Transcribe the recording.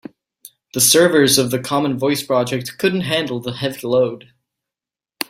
The servers of the common voice project couldn't handle the heavy load.